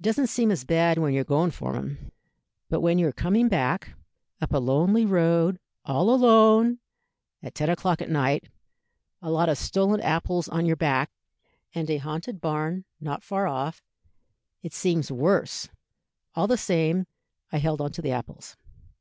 It doesn't seem as bad when you're going for 'em; but when you're coming back, up a lonely road, all alone, at ten o'clock at night, a lot of stolen apples on your back, and a haunted barn not far off, it seems worse. "All the same, I held on to the apples.